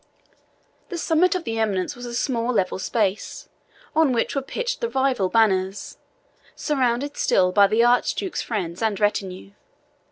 The summit of the eminence was a small level space, on which were pitched the rival banners, surrounded still by the Archduke's friends and retinue.